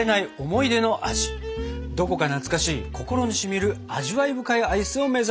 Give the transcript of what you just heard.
どこか懐かしい心にしみる味わい深いアイスを目指します！